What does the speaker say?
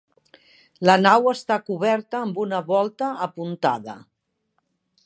La nau està coberta amb una volta apuntada.